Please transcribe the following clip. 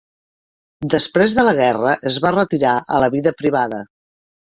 Després de la guerra es va retirar a la vida privada.